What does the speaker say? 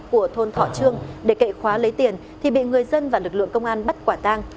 của thôn thọ trương để cậy khóa lấy tiền thì bị người dân và lực lượng công an bắt quả tang